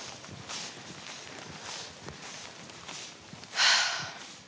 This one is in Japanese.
はあ。